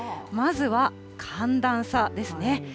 まずは、寒暖差ですね。